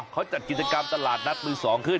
เขาจัดกิจกรรมตลาดนัดมือ๒ขึ้น